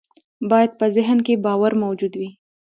بايد په ذهن کې باور موجود وي.